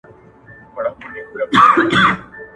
خو چي دواړي هیلۍ سوې هواته پورته